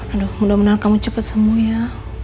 aduh mudah mudahan kamu cepat sembuh ya